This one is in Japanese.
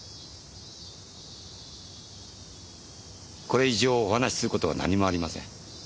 これ以上お話しすることは何もありません。